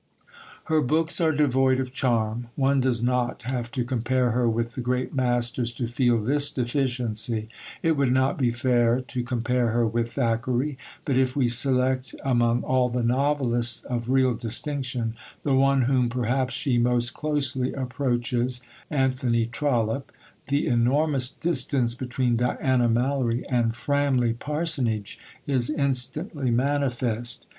Her books are devoid of charm. One does not have to compare her with the great masters to feel this deficiency; it would not be fair to compare her with Thackeray. But if we select among all the novelists of real distinction the one whom, perhaps, she most closely approaches, Anthony Trollope, the enormous distance between Diana Mallory and Framley Parsonage is instantly manifest.